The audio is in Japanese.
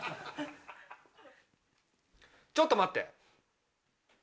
ちょっと待って。